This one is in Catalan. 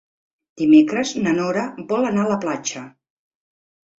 Dimecres na Nora vol anar a la platja.